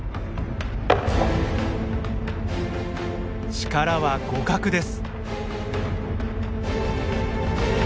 力は互角です。